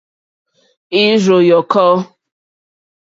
Ìrzù yɔ̀kɔ́.